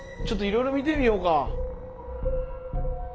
ちょっといろいろ見てみようか。